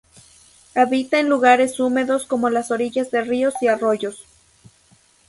Habita en lugares húmedos como las orillas de ríos y arroyos.